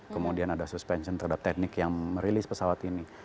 kemudian ada suspension terhadap teknik yang merilis pesawat ini